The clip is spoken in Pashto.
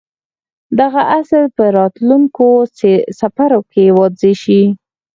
دغه اصل به په راتلونکو څپرکو کې واضح شي.